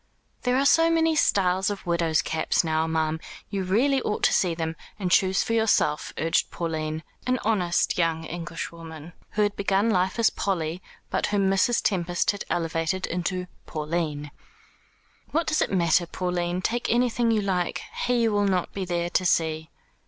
"There are so many styles of widows' caps now, ma'am. You really ought to see them, and choose for yourself," urged Pauline, an honest young Englishwoman, who had begun life as Polly, but whom Mrs. Tempest had elevated into Pauline. "What does it matter, Pauline? Take anything you like. He will not be there to see."